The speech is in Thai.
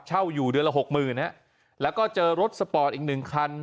เช่าอยู่เดือนละหกหมื่นฮะแล้วก็เจอรถสปอร์ตอีกหนึ่งคัน